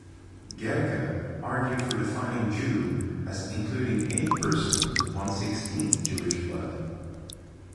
Gercke argued for defining "Jew" as including any person with one-sixteenth Jewish blood.